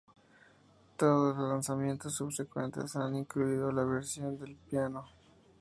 Todos los lanzamientos subsecuentes han incluido la versión con el piano.